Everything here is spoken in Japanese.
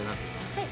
はい！